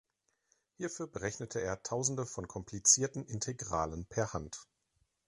Hierfür berechnete er tausende von komplizierten Integralen per Hand.